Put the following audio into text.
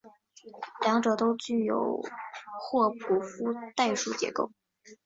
两者都具有霍普夫代数结构。